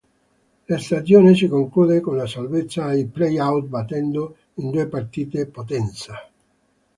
La stagione si conclude con la salvezza ai playout battendo in due partite Potenza.